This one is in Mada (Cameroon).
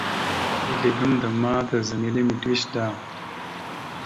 Ezle gamənda ma tazam ele mitəweshe da.